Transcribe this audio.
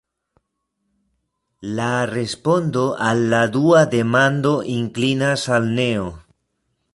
La respondo al la dua demando inklinas al neo.